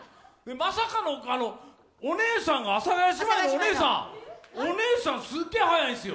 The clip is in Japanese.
まさかのお姉さんが、阿佐ヶ谷姉妹のお姉さんが、お姉さん、すっげえ早いんですよ。